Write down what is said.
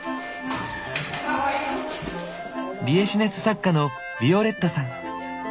リエシネス作家のヴィオレッタさん。